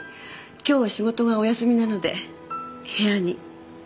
今日は仕事がお休みなので部屋に。